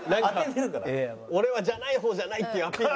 「俺はじゃない方じゃない」っていうアピール。